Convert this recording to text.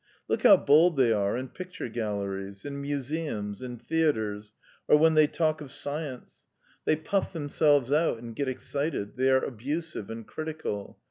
Look how bold they are in picture galleries, in museums, in theatres, or when they talk of science: they puff themselves out and get excited, they are abusive and critical